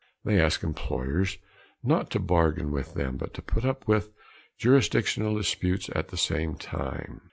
They asked employers not only to bargain with them but to put up with jurisdictional disputes at the same time.